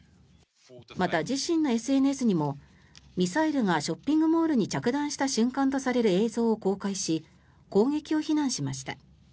また、自身のＳＮＳにもミサイルがショッピングモールに着弾した瞬間とされる映像を公開し攻撃を非難しました。